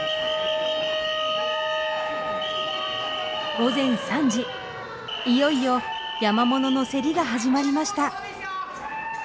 午前３時いよいよ山ものの競りが始まりました。